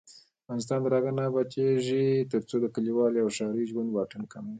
افغانستان تر هغو نه ابادیږي، ترڅو د کلیوالي او ښاري ژوند واټن کم نشي.